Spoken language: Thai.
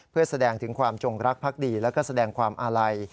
เพื่อแสดงถึงความจงรักภักดีแล้วก็แสดงความอาลัย